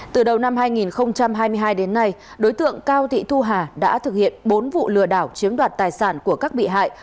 từ đầu năm hai nghìn hai mươi hai đến nay đối tượng cao thị thu hà đã thực hiện bốn vụ lừa đảo chiếm đoạt tài sản của các bị hại